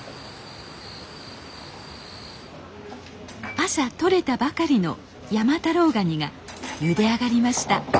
朝とれたばかりの山太郎ガニがゆで上がりましたお。